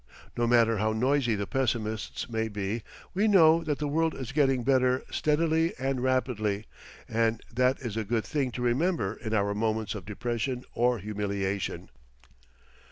No matter how noisy the pessimists may be, we know that the world is getting better steadily and rapidly, and that is a good thing to remember in our moments of depression or humiliation.